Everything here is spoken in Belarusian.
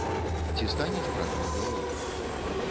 Ці станеш брату на галаву?